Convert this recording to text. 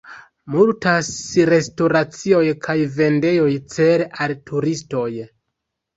Multas restoracioj kaj vendejoj cele al turistoj.